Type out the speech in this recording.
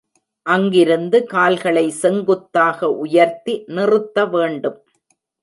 அங்கிருந்து கால்களை செங்குத்தாக உயர்த்தி நிறுத்த வேண்டும்.